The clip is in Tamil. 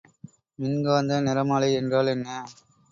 மின் காந்த நிறமாலை என்றால் என்ன?